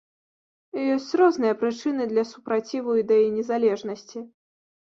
Ёсць розныя прычыны для супраціву ідэі незалежнасці.